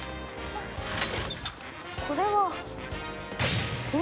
これは爪？